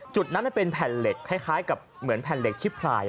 จุดนั้นเป็นแผ่นเหล็กคล้ายกับเหมือนแผ่นเหล็กชิบพลาย